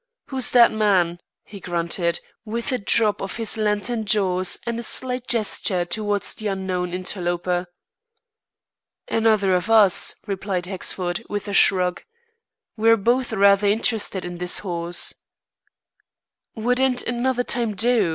Who's that man?" he grunted, with a drop of his lantern jaws, and a slight gesture towards the unknown interloper. "Another of us," replied Hexford, with a shrug. "We're both rather interested in this horse." "Wouldn't another time do?"